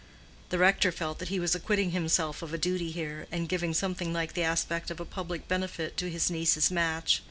The rector felt that he was acquitting himself of a duty here, and giving something like the aspect of a public benefit to his niece's match.